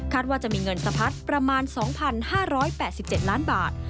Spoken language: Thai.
ว่าจะมีเงินสะพัดประมาณ๒๕๘๗ล้านบาท